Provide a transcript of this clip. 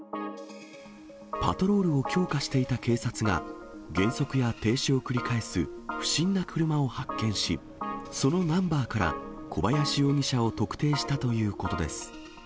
パトロールを強化していた警察が、減速や停止を繰り返す不審な車を発見し、そのナンバーから小林容疑者を特定したということです。